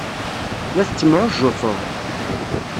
La tettemɛujjuteḍ.